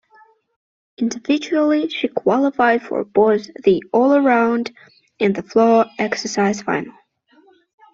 Individually, she qualified for both the all-around and the floor exercise final.